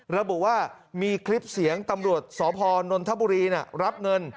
ระบุว่ามีคลิปเสียงตำรวจสพนนทบุรีรับเงิน